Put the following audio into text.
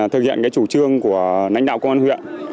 thực hiện chủ trương của lãnh đạo công an huyện